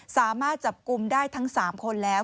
สามารถจับกลุ่มได้ทั้ง๓คนแล้ว